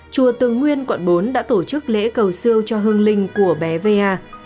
chùa tường nguyên quận bốn đã tổ chức lễ cầu siêu cho hương linh của bé vaya